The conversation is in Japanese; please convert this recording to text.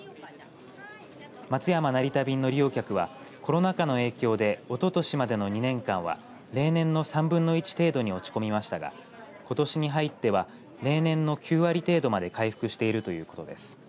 松山、成田便の利用客はコロナ禍の影響でおととしまでの２年間は例年の３分の１程度に落ち込みましたがことしに入っては例年の９割程度まで回復しているということです。